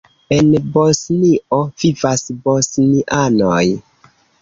En Bosnio vivas bosnianoj.